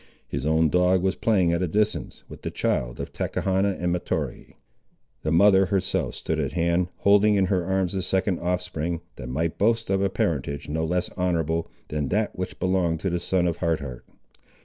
His own dog was playing at a distance, with the child of Tachechana and Mahtoree. The mother herself stood at hand, holding in her arms a second offspring, that might boast of a parentage no less honourable, than that which belonged to the son of Hard Heart.